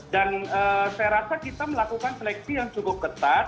dan saya rasa kita melakukan seleksi yang cukup ketat